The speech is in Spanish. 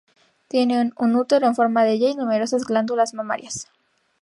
Tienen un útero en forma de 'Y' y numerosas glándulas mamarias.